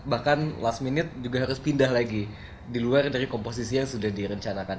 bahkan last minute juga harus pindah lagi di luar dari komposisi yang sudah direncanakan